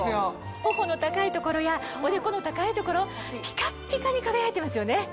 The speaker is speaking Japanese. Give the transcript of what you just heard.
頬の高い所やおでこの高い所ピカッピカに輝いてますよね。